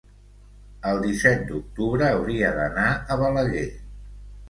el disset d'octubre hauria d'anar a Balaguer.